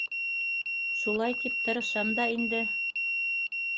— Шулай тип тырышам да инде.